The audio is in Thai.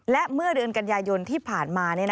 และเมื่อเดือนกันยายนที่ผ่านมา